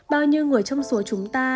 bao nhiêu người trong số chúng ta